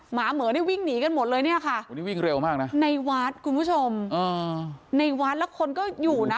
หมาเหมือนวิ่งหนีกันหมดเลยเนี่ยค่ะในวัดคุณผู้ชมในวัดแล้วคนก็อยู่นะ